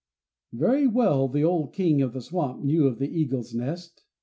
Very well the old King of the swamp knew of the eagles' nest.